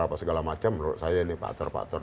apa segala macam menurut saya ini faktor faktor